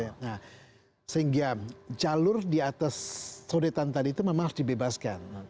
nah sehingga jalur di atas sodetan tadi itu memang harus dibebaskan